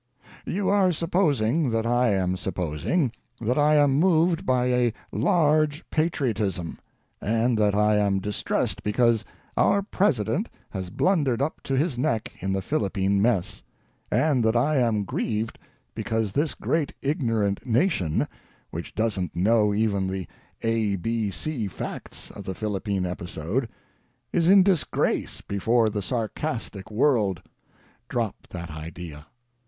You are supposing that I am supposing that I am moved by a Lax^ Patriotism, and that I am distressed because our President has blundered up to his neck in the Philippine mess; and that I am grieved because this great big ignorant nation, which doesn't know even the A B C facts of the Philippine episode, is in disgrace before the sarcastic worid^drop that idea!